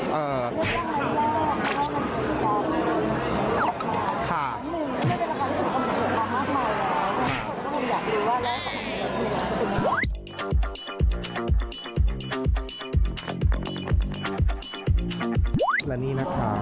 ก็ได้ว่า๒๐๒๑ไม่ค่ะพี่ชอตค่ะด้านหลังนี้คือการหายล้อม